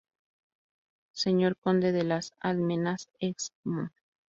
Sr. Conde de las Al~ menas; Excmo.